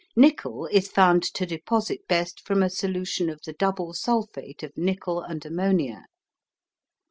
Nickel is found to deposit best from a solution of the double sulphate of nickel and ammonia.